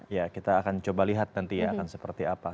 ya kita akan coba lihat nanti ya akan seperti apa